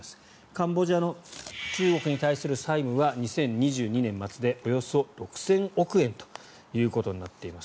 カンボジアの中国に対する債務は２０２２年末でおよそ６０００億円ということになっています。